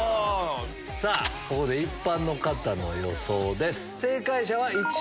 ここで一般の方の予想です。